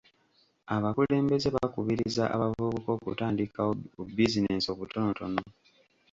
Abakulembeze bakubiriza abavubuka okutandikawo bubizinensi obutonotono.